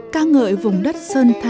ca ngợi vùng đất sơn thái